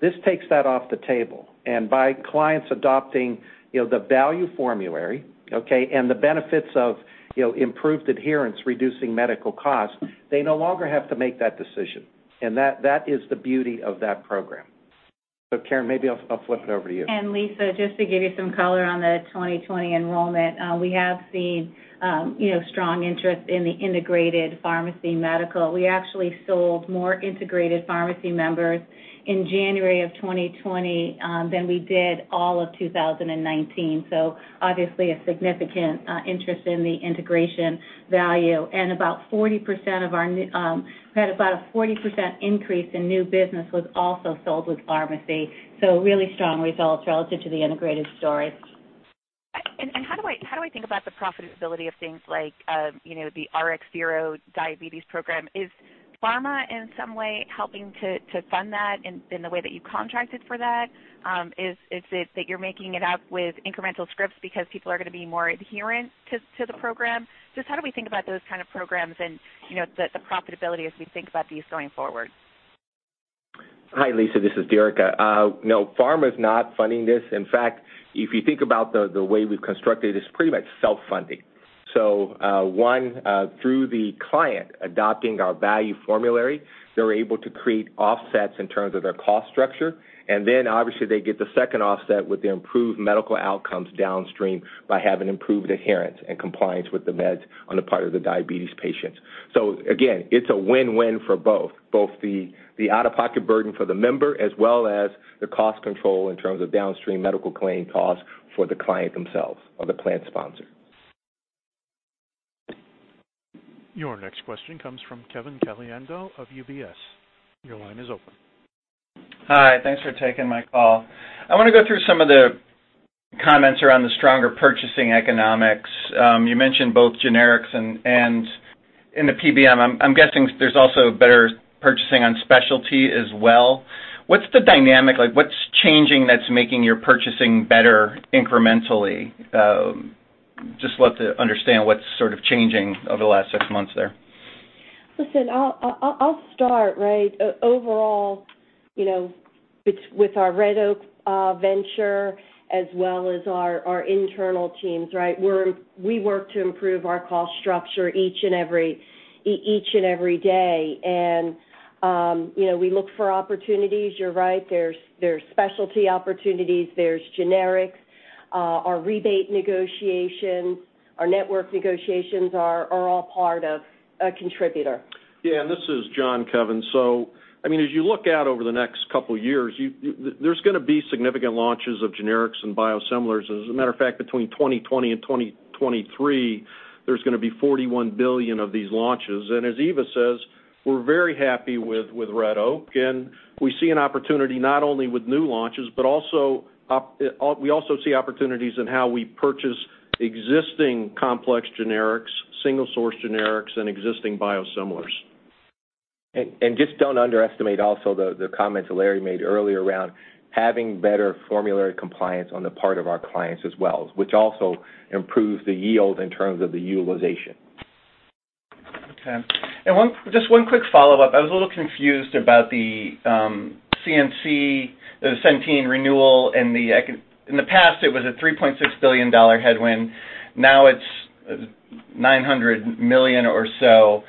This takes that off the table. By clients adopting the Value Formulary, okay, and the benefits of improved adherence, reducing medical costs, they no longer have to make that decision. That is the beauty of that program. Karen, maybe I'll flip it over to you. Lisa, just to give you some color on the 2020 enrollment, we have seen strong interest in the integrated pharmacy medical. We actually sold more integrated pharmacy members in January of 2020 than we did all of 2019, so obviously a significant interest in the integration value. We had about a 40% increase in new business was also sold with pharmacy, so really strong results relative to the integrated story. How do I think about the profitability of things like the RxZERO diabetes program? Is pharma in some way helping to fund that in the way that you contracted for that? Is it that you're making it up with incremental scripts because people are going to be more adherent to the program? Just how do we think about those kind of programs and the profitability as we think about these going forward? Hi, Lisa. This is Derica. No, pharma is not funding this. In fact, if you think about the way we've constructed it's pretty much self-funding. One, through the client adopting our Value Formulary, they're able to create offsets in terms of their cost structure. Obviously they get the second offset with the improved medical outcomes downstream by having improved adherence and compliance with the meds on the part of the diabetes patients. Again, it's a win-win for both the out-of-pocket burden for the member as well as the cost control in terms of downstream medical claim costs for the client themselves or the plan sponsor. Your next question comes from Kevin Caliendo of UBS. Your line is open. Hi. Thanks for taking my call. I want to go through some of the comments around the stronger purchasing economics. You mentioned both generics and in the PBM. I'm guessing there's also better purchasing on specialty as well. What's the dynamic? What's changing that's making your purchasing better incrementally? Just love to understand what's sort of changing over the last six months there. Listen, I'll start. Overall, with our Red Oak venture as well as our internal teams, we work to improve our cost structure each and every day. We look for opportunities. You're right, there's specialty opportunities, there's generics, our rebate negotiations, our network negotiations are all part of a contributor. Yeah. This is Jon, Kevin. As you look out over the next couple of years, there's going to be significant launches of generics and biosimilars. As a matter of fact, between 2020 and 2023, there's going to be $41 billion of these launches. As Eva says, we're very happy with Red Oak Sourcing, and we see an opportunity not only with new launches, but we also see opportunities in how we purchase existing complex generics, single source generics, and existing biosimilars. Just don't underestimate also the comments that Larry made earlier around having better formulary compliance on the part of our clients as well, which also improves the yield in terms of the utilization. Okay. Just one quick follow-up. I was a little confused about the CNC, the Centene renewal, and in the past, it was a $3.6 billion headwind. Now it's $900 million or so.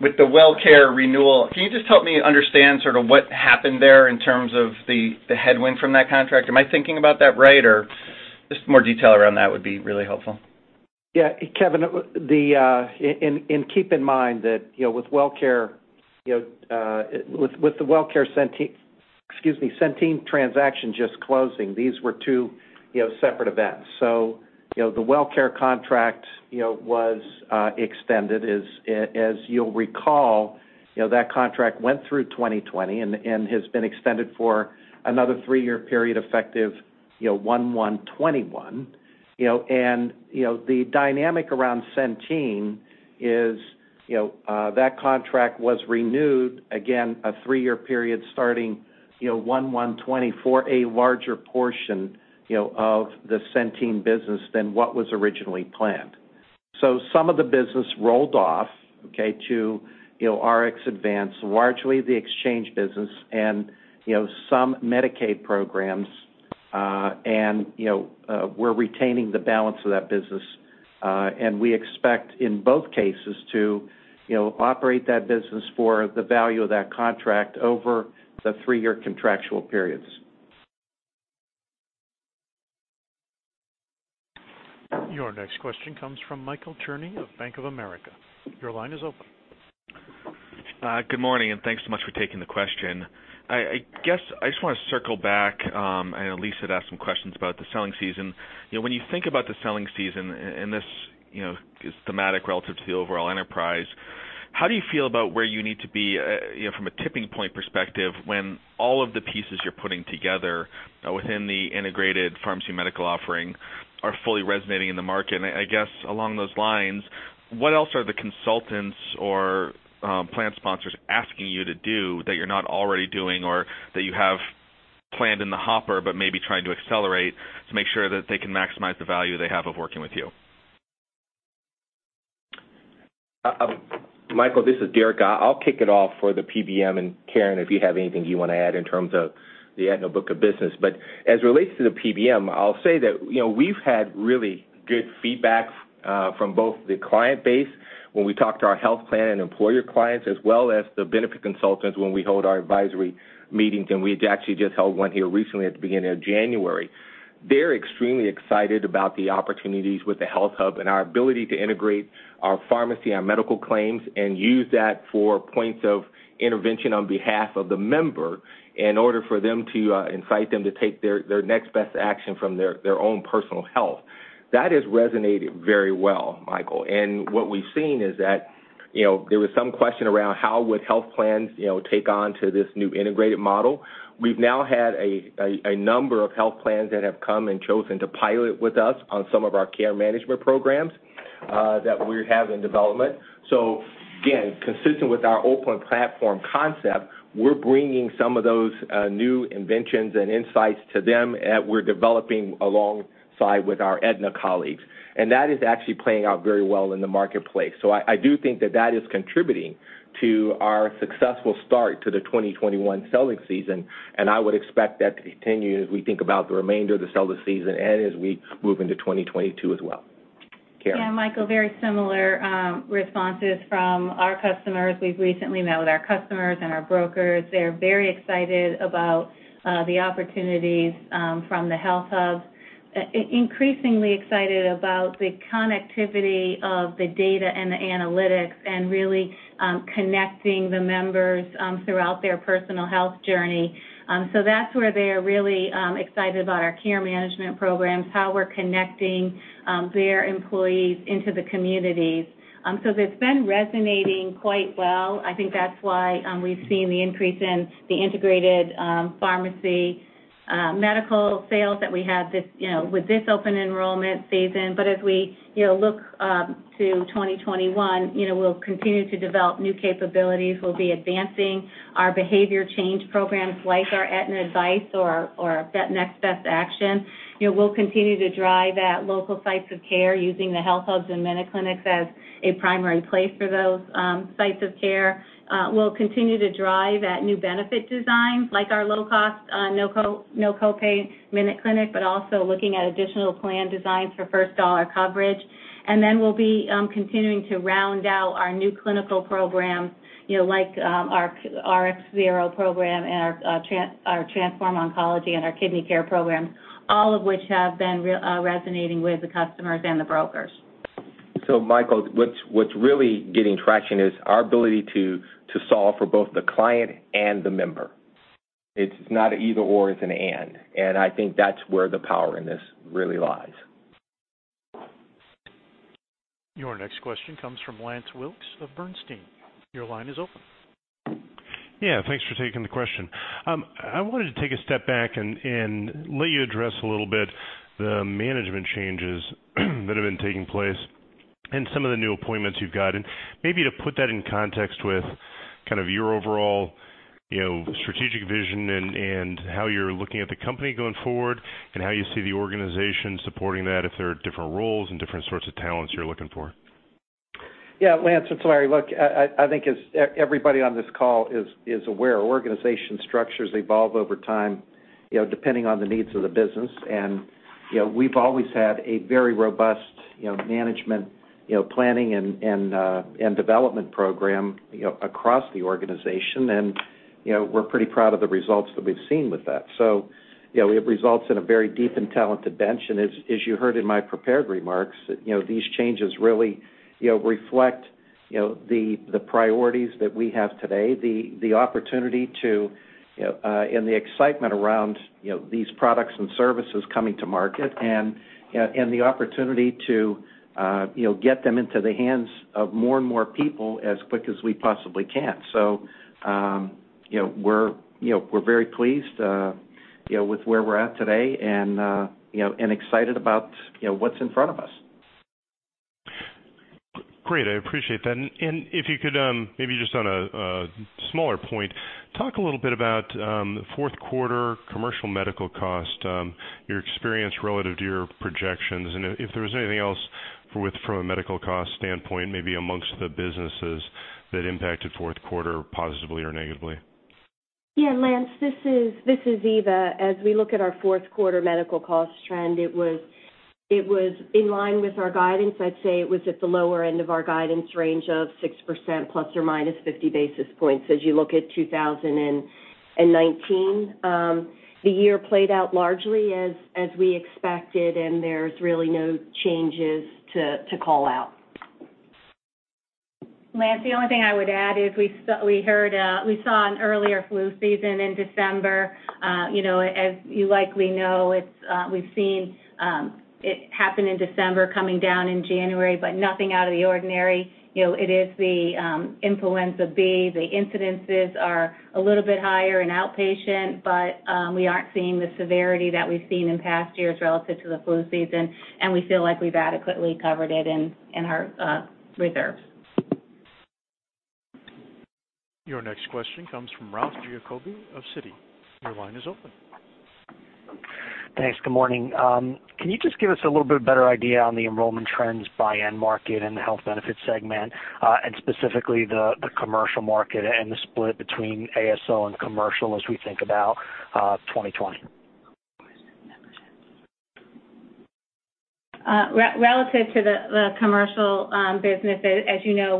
With the WellCare renewal, can you just help me understand sort of what happened there in terms of the headwind from that contract? Am I thinking about that right, or just more detail around that would be really helpful. Yeah. Kevin, keep in mind that with the WellCare Centene transaction just closing, these were two separate events. The WellCare contract was extended. As you'll recall, that contract went through 2020 and has been extended for another three-year period effective 1/1/2021. The dynamic around Centene is that contract was renewed, again, a three-year period starting 1/1/2020 for a larger portion of the Centene business than what was originally planned. Some of the business rolled off to RxAdvance, largely the exchange business and some Medicaid programs, and we're retaining the balance of that business. We expect, in both cases, to operate that business for the value of that contract over the three-year contractual periods. Your next question comes from Michael Cherny of Bank of America. Your line is open. Good morning, thanks so much for taking the question. I guess I just want to circle back. I know Lisa had asked some questions about the selling season. When you think about the selling season, and this is thematic relative to the overall enterprise, how do you feel about where you need to be from a tipping point perspective when all of the pieces you're putting together within the integrated pharmacy medical offering are fully resonating in the market? I guess along those lines, what else are the consultants or plan sponsors asking you to do that you're not already doing, or that you have planned in the hopper but maybe trying to accelerate to make sure that they can maximize the value they have of working with you? Michael, this is Derica. I'll kick it off for the PBM, and Karen, if you have anything you want to add in terms of the Aetna book of business. As it relates to the PBM, I'll say that we've had really good feedback from both the client base when we talk to our health plan and employer clients, as well as the benefit consultants when we hold our advisory meetings, and we actually just held one here recently at the beginning of January. They're extremely excited about the opportunities with the HealthHUB and our ability to integrate our pharmacy and medical claims and use that for points of intervention on behalf of the member in order for them to incite them to take their Next Best Action from their own personal health. That has resonated very well, Michael. What we've seen is that there was some question around how would health plans take on to this new integrated model. We've now had a number of health plans that have come and chosen to pilot with us on some of our care management programs that we have in development. Again, consistent with our open platform concept, we're bringing some of those new inventions and insights to them that we're developing alongside with our Aetna colleagues. That is actually playing out very well in the marketplace. I do think that that is contributing to our successful start to the 2021 selling season, and I would expect that to continue as we think about the remainder of the selling season and as we move into 2022 as well. Karen? Yeah, Michael, very similar responses from our customers. We've recently met with our customers and our brokers. They're very excited about the opportunities from the HealthHUB. Increasingly excited about the connectivity of the data and the analytics and really connecting the members throughout their personal health journey. That's where they're really excited about our care management programs, how we're connecting their employees into the communities. It's been resonating quite well. I think that's why we've seen the increase in the integrated pharmacy medical sales that we had with this open enrollment season. As we look to 2021, we'll continue to develop new capabilities. We'll be advancing our behavior change programs like our Aetna Advice or our Next Best Action. We'll continue to drive at local sites of care using the HealthHUBs and MinuteClinic as a primary place for those sites of care. We'll continue to drive at new benefit designs like our low-cost, no copay MinuteClinic, but also looking at additional plan designs for first-dollar coverage. We'll be continuing to round out our new clinical programs like our RxZERO program and our Transform Oncology and our kidney care programs, all of which have been resonating with the customers and the brokers. Michael, what's really getting traction is our ability to solve for both the client and the member. It's not either/or, it's an and I think that's where the power in this really lies. Your next question comes from Lance Wilkes of Bernstein. Your line is open. Yeah, thanks for taking the question. I wanted to take a step back and let you address a little bit the management changes that have been taking place and some of the new appointments you've gotten, maybe to put that in context with kind of your overall strategic vision and how you're looking at the company going forward and how you see the organization supporting that, if there are different roles and different sorts of talents you're looking for. Yeah, Lance, it's Larry. Look, I think as everybody on this call is aware, organization structures evolve over time depending on the needs of the business. We've always had a very robust management planning and development program across the organization, and we're pretty proud of the results that we've seen with that. It results in a very deep and talented bench, and as you heard in my prepared remarks, these changes really reflect the priorities that we have today, the opportunity to and the excitement around these products and services coming to market and the opportunity to get them into the hands of more and more people as quick as we possibly can. We're very pleased with where we're at today and excited about what's in front of us. Great. I appreciate that. If you could, maybe just on a smaller point, talk a little bit about Q4 commercial medical cost, your experience relative to your projections, and if there was anything else from a medical cost standpoint, maybe amongst the businesses that impacted Q4 positively or negatively. Yeah, Lance, this is Eva. As we look at our Q4 medical cost trend, it was in line with our guidance. I'd say it was at the lower end of our guidance range of 6% plus or minus 50 basis points. As you look at 2019, the year played out largely as we expected, and there's really no changes to call out. Lance, the only thing I would add is we saw an earlier flu season in December. As you likely know, we've seen it happen in December, coming down in January, but nothing out of the ordinary. It is the Influenza B. The incidences are a little bit higher in outpatient, but we aren't seeing the severity that we've seen in past years relative to the flu season, and we feel like we've adequately covered it in our reserves. Your next question comes from Ralph Giacobbe of Citi. Your line is open. Thanks. Good morning. Can you just give us a little bit better idea on the enrollment trends by end market and the health benefits segment, and specifically the commercial market and the split between ASO and commercial as we think about 2020? Relative to the commercial business, as you know,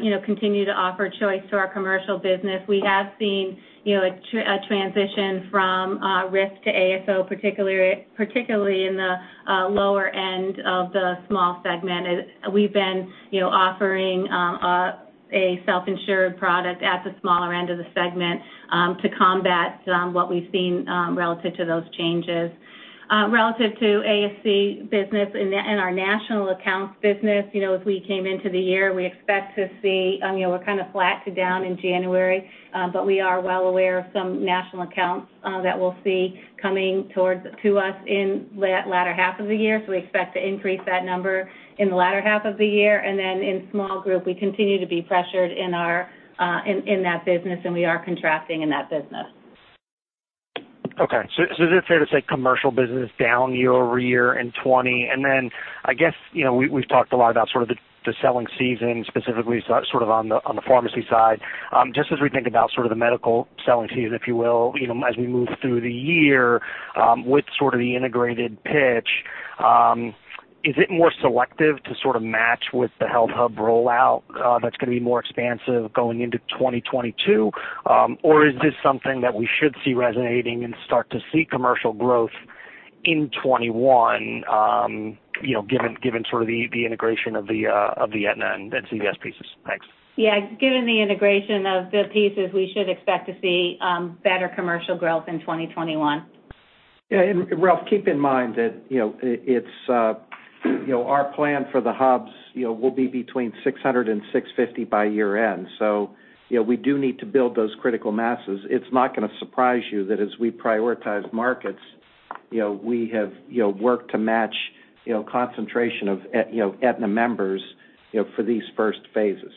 we continue to offer choice to our commercial business. We have seen a transition from risk to ASO, particularly in the lower end of the small segment. We've been offering a self-insured product at the smaller end of the segment to combat what we've seen relative to those changes. Relative to ASO business and our national accounts business, as we came into the year, we're kind of flat to down in January, but we are well aware of some national accounts that we'll see coming to us in latter half of the year. We expect to increase that number in the latter half of the year. In small group, we continue to be pressured in that business, and we are contracting in that business. Okay. Is it fair to say commercial business down year-over-year in 2020? Then, I guess, we've talked a lot about sort of the selling season, specifically sort of on the pharmacy side. Just as we think about sort of the medical selling season, if you will, as we move through the year with sort of the integrated pitch, is it more selective to sort of match with the HealthHUB rollout that's going to be more expansive going into 2022? Is this something that we should see resonating and start to see commercial growth in 2021, given sort of the integration of the Aetna and CVS pieces? Thanks. Given the integration of the pieces, we should expect to see better commercial growth in 2021. Yeah. Ralph, keep in mind that our plan for the HealthHUBs will be between 600 and 650 by year-end. We do need to build those critical masses. It's not going to surprise you that as we prioritize markets, we have worked to match concentration of Aetna members for these first phases.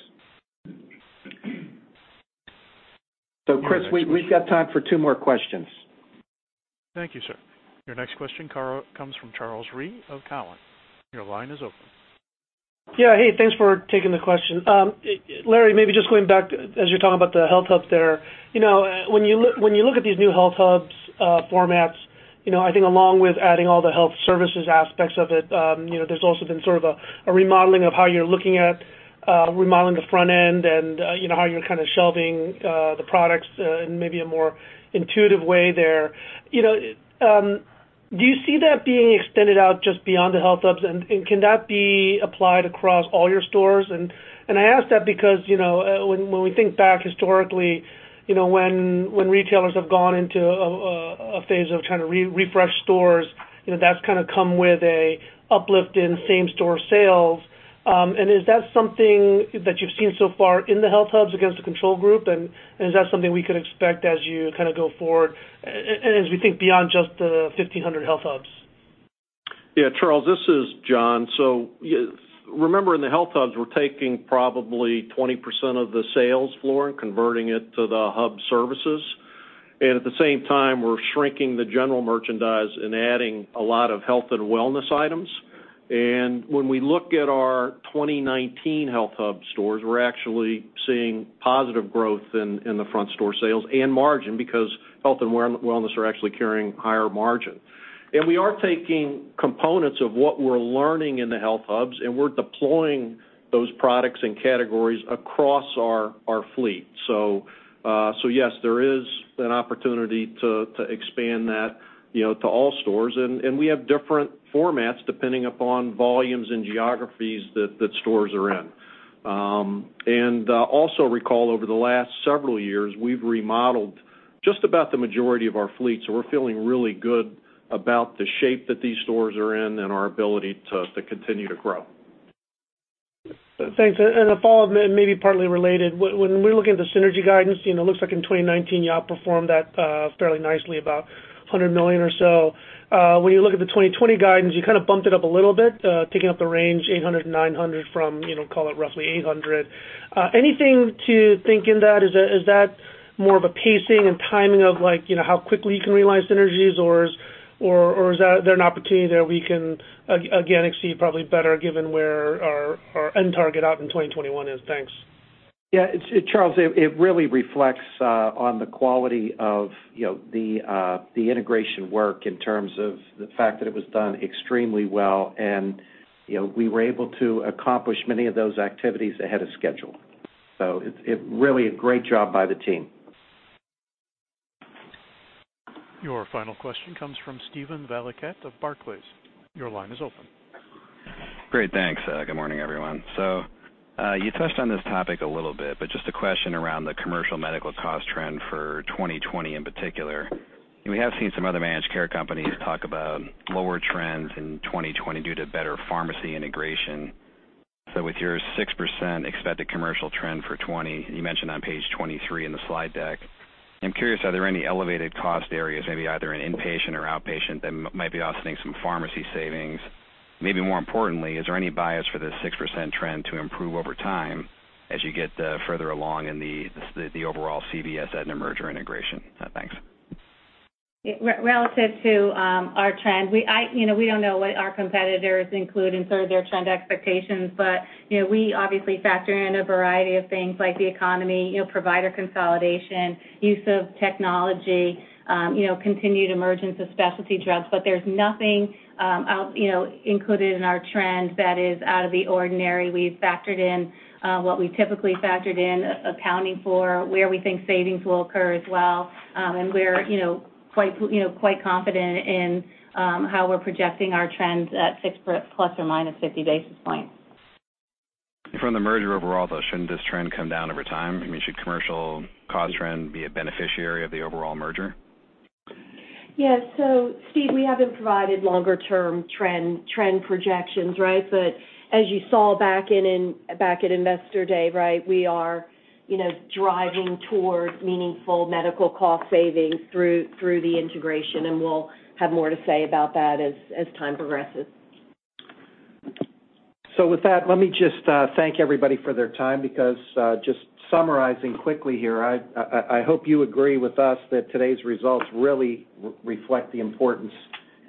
Chris, we've got time for two more questions. Thank you, sir. Your next question comes from Charles Rhyee of Cowen. Your line is open. Yeah. Hey, thanks for taking the question. Larry, maybe just going back, as you're talking about the HealthHUB there. When you look at these new HealthHUBs formats, I think along with adding all the health services aspects of it, there's also been sort of a remodeling of how you're looking at remodeling the front end and how you're kind of shelving the products in maybe a more intuitive way there. Do you see that being extended out just beyond the HealthHUBs, and can that be applied across all your stores? I ask that because, when we think back historically, when retailers have gone into a phase of trying to refresh stores, that's kind of come with a uplift in same-store sales. Is that something that you've seen so far in the HealthHUBs against the control group, and is that something we could expect as you kind of go forward and as we think beyond just the 1,500 HealthHUBs? Yeah, Charles, this is Jon. Remember in the HealthHUBs, we're taking probably 20% of the sales floor and converting it to the hub services. At the same time, we're shrinking the general merchandise and adding a lot of health and wellness items. When we look at our 2019 HealthHUB stores, we're actually seeing positive growth in the front store sales and margin because health and wellness are actually carrying higher margin. We are taking components of what we're learning in the HealthHUBs, and we're deploying those products and categories across our fleet. Yes, there is an opportunity to expand that to all stores, and we have different formats depending upon volumes and geographies that stores are in. Also recall over the last several years, we've remodeled just about the majority of our fleet. We're feeling really good about the shape that these stores are in and our ability to continue to grow. Thanks. A follow-up, maybe partly related. When we're looking at the synergy guidance, it looks like in 2019 you outperformed that fairly nicely, about $100 million or so. When you look at the 2020 guidance, you kind of bumped it up a little bit, taking up the range $800 million-$900 million from, call it roughly $800 million. Anything to think in that? Is that more of a pacing and timing of how quickly you can realize synergies, or is there an opportunity there we can again exceed probably better given where our end target out in 2021 is? Thanks. Yeah, Charles, it really reflects on the quality of the integration work in terms of the fact that it was done extremely well, and we were able to accomplish many of those activities ahead of schedule. Really a great job by the team. Your final question comes from Steven Valiquette of Barclays. Your line is open. Great, thanks. Good morning, everyone. You touched on this topic a little bit, but just a question around the commercial medical cost trend for 2020 in particular. We have seen some other managed care companies talk about lower trends in 2020 due to better pharmacy integration. With your 6% expected commercial trend for 2020, you mentioned on page 23 in the slide deck. I'm curious, are there any elevated cost areas, maybe either in inpatient or outpatient, that might be offsetting some pharmacy savings? Maybe more importantly, is there any bias for this 6% trend to improve over time as you get further along in the overall CVS and Aetna merger integration? Thanks. Relative to our trend, we don't know what our competitors include in sort of their trend expectations. We obviously factor in a variety of things like the economy, provider consolidation, use of technology, continued emergence of specialty drugs. There's nothing included in our trends that is out of the ordinary. We've factored in what we typically factored in, accounting for where we think savings will occur as well. We're quite confident in how we're projecting our trends at six ±50 basis points. From the merger overall, though, shouldn't this trend come down over time? I mean, should commercial cost trend be a beneficiary of the overall merger? Yeah. Steve, we haven't provided longer term trend projections, right? As you saw back at Investor Day, we are driving towards meaningful medical cost savings through the integration, and we'll have more to say about that as time progresses. With that, let me just thank everybody for their time, because just summarizing quickly here, I hope you agree with us that today's results really reflect the importance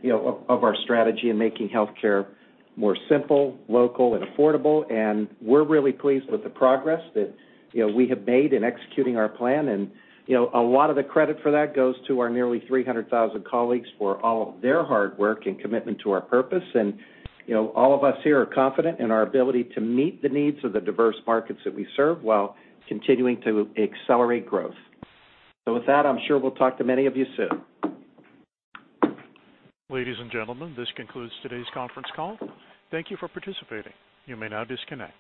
of our strategy in making healthcare more simple, local, and affordable. We're really pleased with the progress that we have made in executing our plan. A lot of the credit for that goes to our nearly 300,000 colleagues for all of their hard work and commitment to our purpose. All of us here are confident in our ability to meet the needs of the diverse markets that we serve while continuing to accelerate growth. With that, I'm sure we'll talk to many of you soon. Ladies and gentlemen, this concludes today's conference call. Thank you for participating. You may now disconnect.